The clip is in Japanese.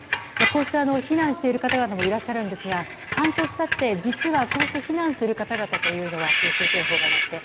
こうして避難している方々もいらっしゃるんですが半年経って、実はこうして避難する方々というのは空襲警報が鳴って。